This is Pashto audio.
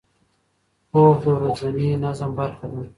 خوب د ورځني نظم برخه ده.